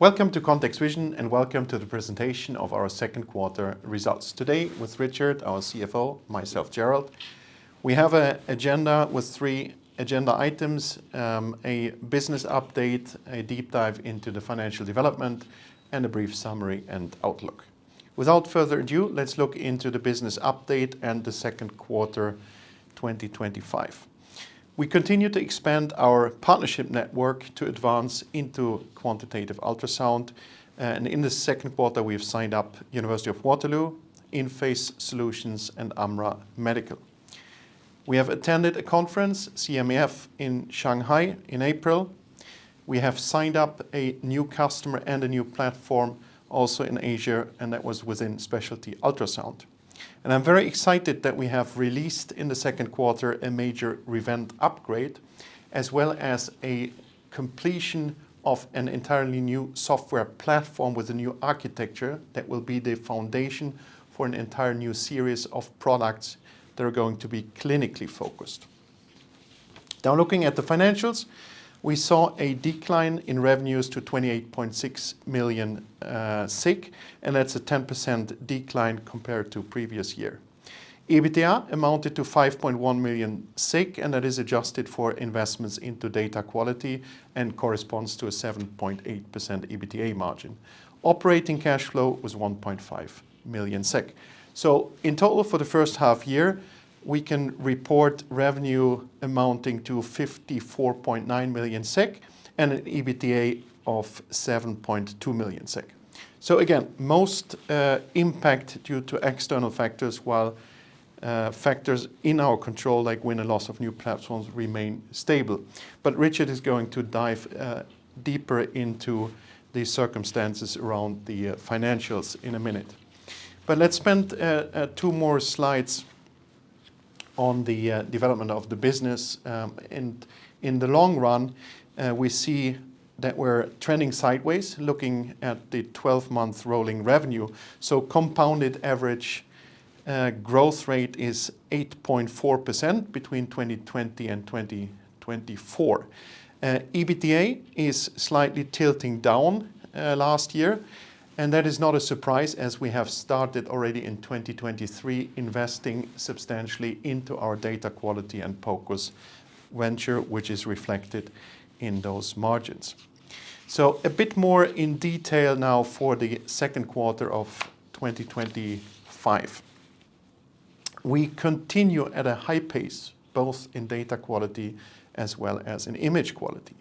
Welcome to ContextVision, and welcome to the presentation of our second quarter results. Today, with Richard, our CFO, and myself, Gerald, we have an agenda with three agenda items: a business update, a deep dive into the financial development, and a brief summary and outlook. Without further ado, let's look into the business update and the second quarter 2025. We continue to expand our partnership network to advance into quantitative ultrasound, and in this second quarter, we have signed up the University of Waterloo, Inphase Solutions, and AMRA Medical. We have attended a conference, CMEF, in Shanghai in April. We have signed up a new customer and a new platform also in Asia, and that was within specialty ultrasound. I'm very excited that we have released in the second quarter a major Revent upgrade, as well as a completion of an entirely new software platform with a new architecture that will be the foundation for an entire new series of products that are going to be clinically focused. Now, looking at the financials, we saw a decline in revenues to 28.6 million, and that's a 10% decline compared to the previous year. EBITDA amounted to 5.1 million, and that is adjusted for investments into data quality and corresponds to a 7.8% EBITDA margin. Operating cash flow was 1.5 million SEK. In total, for the first half year, we can report revenue amounting to 54.9 million SEK and an EBITDA of 7.2 million SEK. Again, most impact due to external factors while factors in our control, like win or loss of new platforms, remain stable. Richard is going to dive deeper into the circumstances around the financials in a minute. Let's spend two more slides on the development of the business. In the long run, we see that we're trending sideways, looking at the 12-month rolling revenue. Compounded average growth rate is 8.4% between 2020 and 2024. EBITDA is slightly tilting down last year, and that is not a surprise as we have started already in 2023 investing substantially into our data quality and focus venture, which is reflected in those margins. A bit more in detail now for the second quarter of 2025. We continue at a high pace, both in data quality as well as in image quality.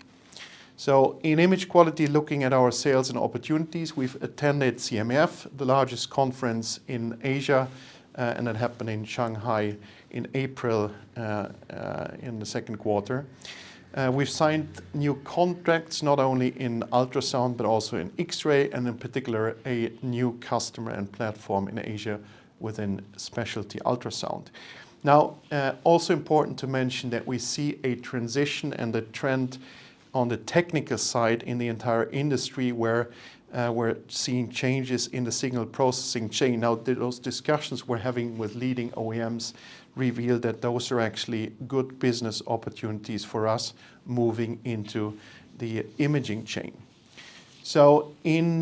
In image quality, looking at our sales and opportunities, we've attended CMEF, the largest conference in Asia, and that happened in Shanghai in April, in the second quarter. We've signed new contracts not only in ultrasound but also in X-ray, and in particular, a new customer and platform in Asia within specialty ultrasound. It's also important to mention that we see a transition and a trend on the technical side in the entire industry where we're seeing changes in the signal processing chain. Those discussions we're having with leading OEMs reveal that those are actually good business opportunities for us moving into the imaging chain. In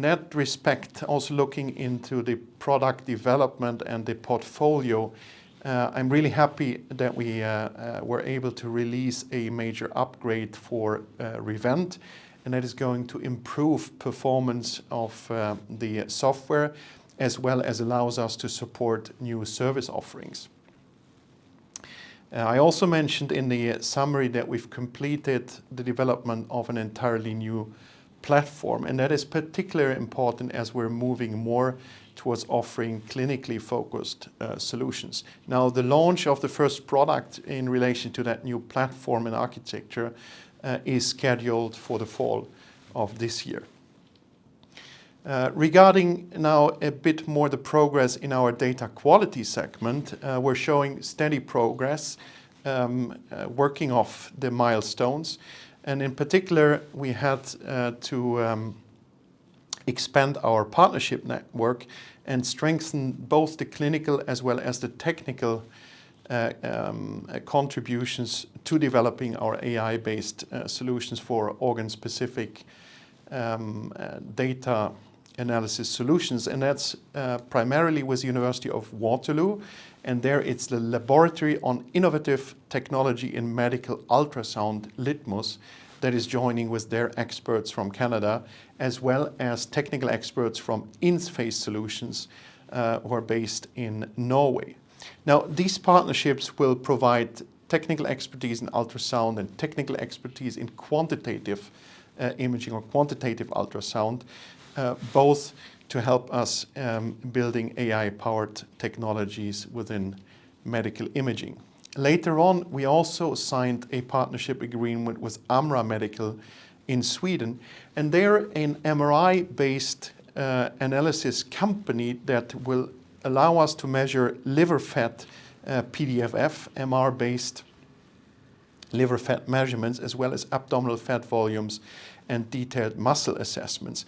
that respect, also looking into the product development and the portfolio, I'm really happy that we were able to release a major upgrade for Revent, and that is going to improve performance of the software as well as allow us to support new service offerings. I also mentioned in the summary that we've completed the development of an entirely new platform, and that is particularly important as we're moving more towards offering clinically focused products. The launch of the first product in relation to that new platform and architecture is scheduled for the fall of this year. Regarding now a bit more the progress in our data quality segment, we're showing steady progress, working off the milestones, and in particular, we had to expand our partnership network and strengthen both the clinical as well as the technical contributions to developing our AI-powered, organ-specific data analysis solutions, and that's primarily with the University of Waterloo’s Laboratory on Innovative Technology in Medical Ultrasound, LITMUS. There, it's the experts from Canada, as well as technical experts from Inphase Solutions, who are based in Norway. These partnerships will provide technical expertise in ultrasound and technical expertise in quantitative imaging or quantitative ultrasound, both to help us build AI-powered technologies within medical imaging. Later on, we also signed a partnership agreement with AMRA Medical in Sweden, and they're an MRI-based analysis company that will allow us to measure liver fat PDFF, MR-based liver fat measurements, as well as abdominal fat volumes and detailed muscle assessments.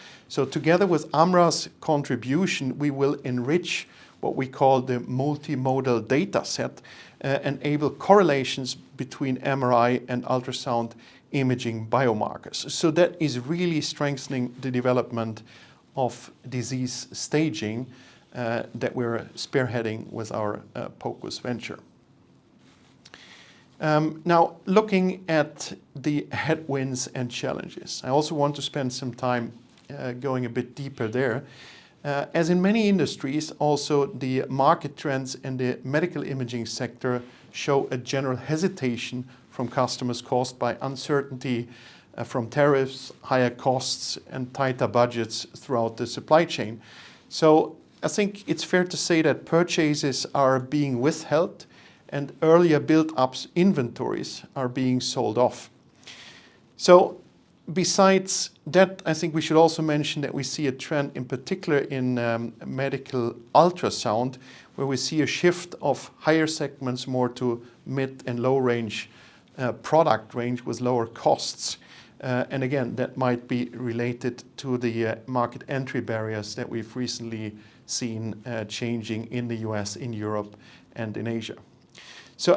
Together with AMRA's contribution, we will enrich what we call the multimodal data set and enable correlations between MRI and ultrasound imaging biomarkers. That is really strengthening the development of disease staging that we're spearheading with our focus venture. Now, looking at the headwinds and challenges, I also want to spend some time going a bit deeper there. As in many industries, also the market trends in the medical imaging sector show a general hesitation from customers caused by uncertainty from tariffs, higher costs, and tighter budgets throughout the supply chain. I think it's fair to say that purchases are being withheld, and earlier built-up inventories are being sold off. Besides that, I think we should also mention that we see a trend in particular in medical ultrasound where we see a shift of higher segments more to mid and low-range product range with lower costs. That might be related to the market entry barriers that we've recently seen changing in the U.S., in Europe, and in Asia.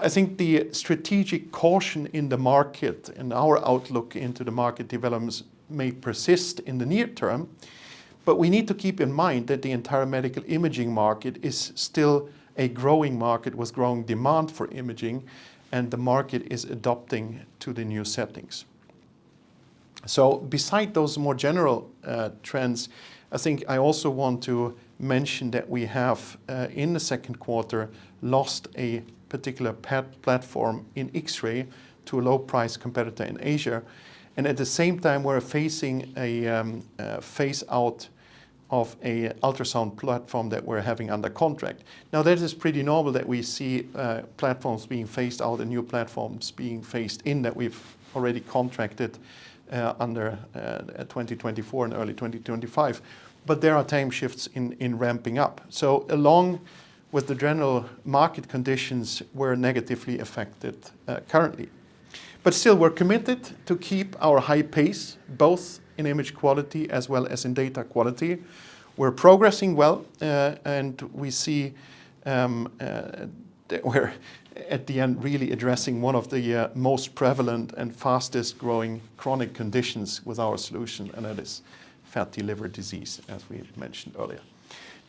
I think the strategic caution in the market and our outlook into the market developments may persist in the near term, but we need to keep in mind that the entire medical imaging market is still a growing market with growing demand for imaging, and the market is adapting to the new settings. Besides those more general trends, I think I also want to mention that we have in the second quarter lost a particular platform in X-ray to a low-priced competitor in Asia. At the same time, we're facing a phase-out of an ultrasound platform that we're having under contract. That is pretty normal that we see platforms being phased out and new platforms being phased in that we've already contracted under 2024 and early 2025. There are time shifts in ramping up. Along with the general market conditions, we're negatively affected currently. Still, we're committed to keep our high pace, both in image quality as well as in data quality. We're progressing well, and we see that we're, at the end, really addressing one of the most prevalent and fastest growing chronic conditions with our solution, and that is fat delivery disease, as we mentioned earlier.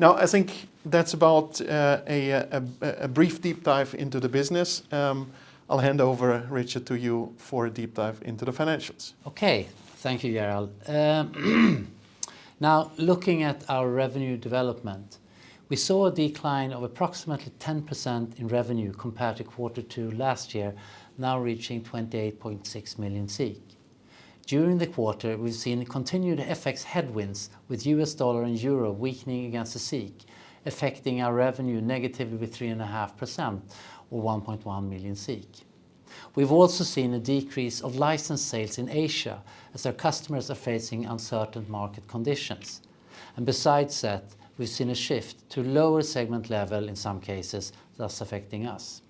I think that's about a brief deep dive into the business. I'll hand over, Richard, to you for a deep dive into the financials. OK, thank you, Gerald. Now, looking at our revenue development, we saw a decline of approximately 10% in revenue compared to quarter two last year, now reaching 28.6 million. During the quarter, we've seen continued FX headwinds with U.S. dollar and euro weakening against the SEK, affecting our revenue negatively by 3.5% or 1.1 million. We've also seen a decrease of license sales in Asia as our customers are facing uncertain market conditions. Besides that, we've seen a shift to a lower segment level in some cases, thus affecting us.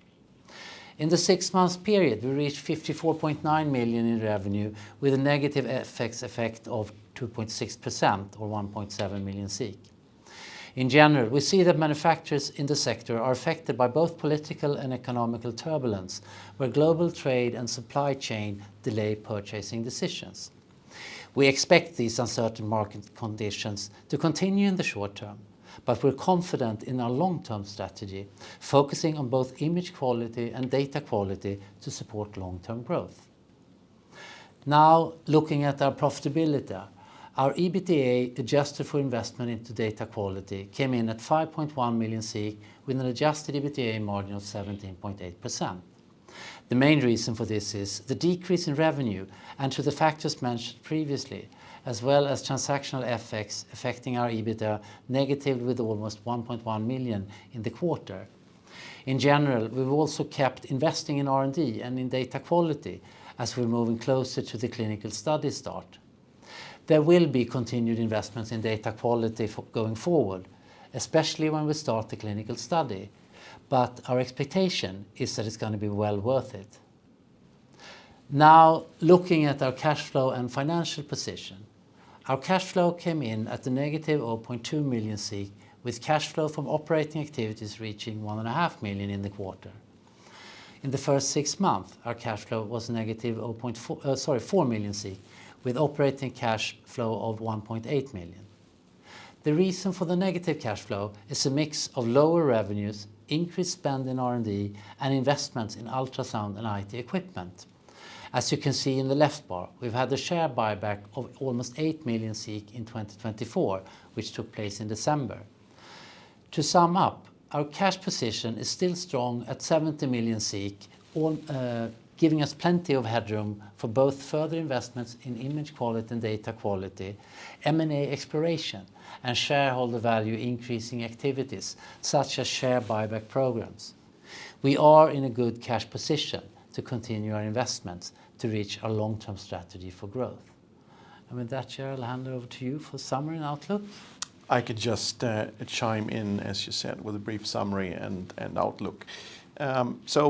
In the six-month period, we reached 54.9 million in revenue with a negative FX effect of 2.6% or 1.7 million. In general, we see that manufacturers in the sector are affected by both political and economic turbulence, where global trade and supply chain delay purchasing decisions. We expect these uncertain market conditions to continue in the short term, but we're confident in our long-term strategy, focusing on both image quality and data quality to support long-term growth. Now, looking at our profitability, our EBITDA adjusted for investment into data quality came in at 5.1 million with an adjusted EBITDA margin of 17.8%. The main reason for this is the decrease in revenue and the factors mentioned previously, as well as transactional FX affecting our EBITDA negatively with almost 1.1 million in the quarter. In general, we've also kept investing in R&D and in data quality as we're moving closer to the clinical study start. There will be continued investments in data quality going forward, especially when we start the clinical study, but our expectation is that it's going to be well worth it. Now, looking at our cash flow and financial position, our cash flow came in at a -0.2 million, with cash flow from operating activities reaching 1.5 million in the quarter. In the first six months, our cash flow was a -0.4 million, with operating cash flow of 1.8 million. The reason for the negative cash flow is a mix of lower revenues, increased spend in R&D, and investments in ultrasound and IT equipment. As you can see in the left bar, we've had a share buyback of almost 8 million in 2024, which took place in December. To sum up, our cash position is still strong at 70 million, giving us plenty of headroom for both further investments in image quality and data quality, M&A exploration, and shareholder value increasing activities, such as share buyback programs. We are in a good cash position to continue our investments to reach our long-term strategy for growth. With that, Gerald, I'll hand it over to you for summary and outlook. I could just chime in, as you said, with a brief summary and outlook.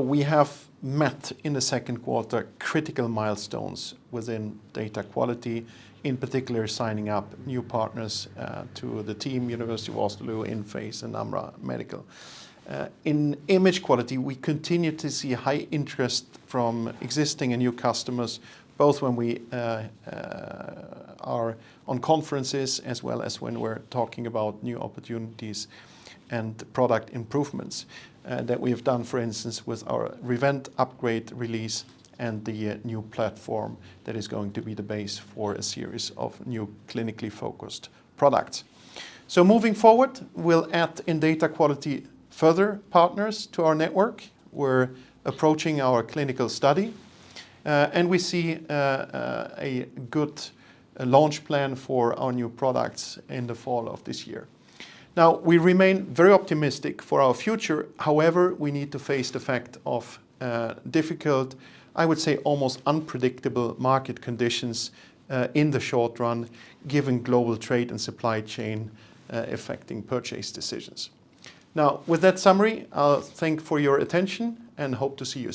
We have met in the second quarter critical milestones within data quality, in particular signing up new partners to the team, University of Waterloo’s Inphase Solutions, and AMRA Medical. In image quality, we continue to see high interest from existing and new customers, both when we are at conferences as well as when we're talking about new opportunities and product improvements that we have done, for instance, with our Revent upgrade release and the new platform that is going to be the base for a series of new clinically focused products. Moving forward, we'll add in data quality further partners to our network. We're approaching our clinical study, and we see a good launch plan for our new products in the fall of this year. We remain very optimistic for our future. However, we need to face the fact of difficult, I would say, almost unpredictable market conditions in the short run, given global trade and supply chain affecting purchase decisions. With that summary, I'll thank you for your attention and hope to see you.